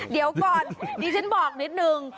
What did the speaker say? เดี๋ยวก่อนดิฉันบอกนิดนึง